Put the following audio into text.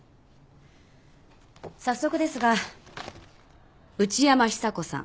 早速ですが内山久子さん。